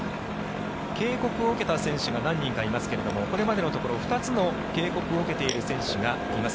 警告を受けた選手が何人かいますけどこれまでのところ、２つの警告を受けている選手がいます。